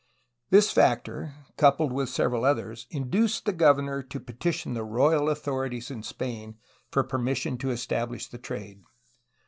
This factor, coupled with several others, induced the governor to .petition the royal authorities in Spain for permission to estabhsh the trade.